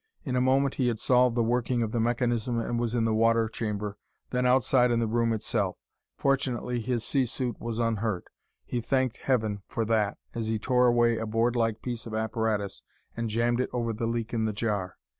In a moment he had solved the working of the mechanism and was in the water chamber, then outside in the room itself. Fortunately his sea suit was unhurt. He thanked heaven for that as he tore away a boardlike piece of apparatus and jammed it over the leak in the jar.